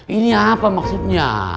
ini apa maksudnya